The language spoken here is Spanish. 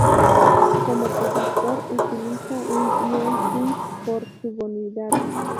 Como cofactor utiliza un ion zinc por subunidad.